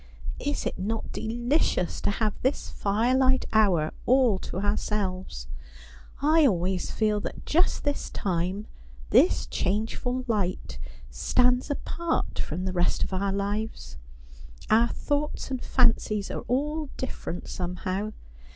' Is it not delicious to have this firelight hour all to ourselves ? I always feel that 202 Asphodel. just this time — this changeful light — stands apart from the rest of our lives. Our thoughts and fancies are all different some how.